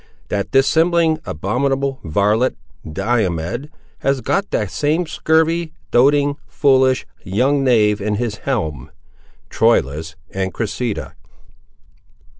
That dissembling abominable varlet, Diomed, has got that same scurvy, doting, foolish young knave in his helm. —Troilus and Cressida.